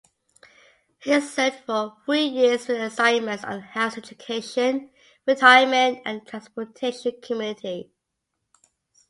He served for three years with assignments on House Education, Retirement, and Transportation committees.